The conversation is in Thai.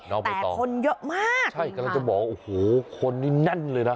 ใบตองคนเยอะมากใช่กำลังจะบอกว่าโอ้โหคนนี้แน่นเลยนะ